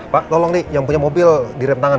pak tolong nih yang punya mobil direm tangan